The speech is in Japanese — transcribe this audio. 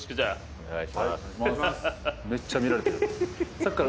お願いします。